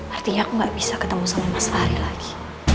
artinya aku gak bisa ketemu sama mas fahri lagi